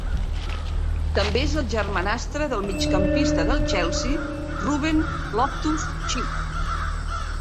També és el germanastre del migcampista del Chelsea Ruben Loftus-Cheek.